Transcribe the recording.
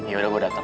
ya udah gue dateng